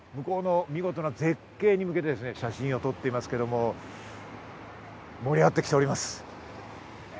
皆さん、むこうの見事な絶景に向けて写真を撮っていますけれども、盛り上がってきております！